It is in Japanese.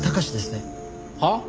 はあ？